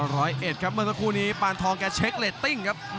ร้อยเอ็ดครับเมื่อสักครู่นี้ปานทองแกเช็คเรตติ้งครับ